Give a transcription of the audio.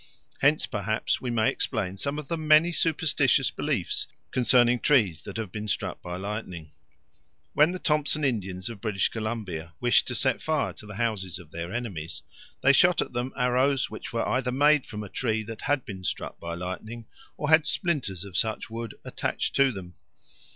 Hence perhaps we may explain some of the many superstitious beliefs concerning trees that have been struck by lightning. When the Thompson Indians of British Columbia wished to set fire to the houses of their enemies, they shot at them arrows which were either made from a tree that had been struck by lightning or had splinters of such wood attached to them.